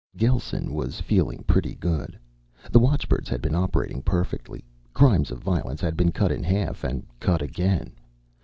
Gelsen was feeling pretty good. The watchbirds had been operating perfectly. Crimes of violence had been cut in half, and cut again.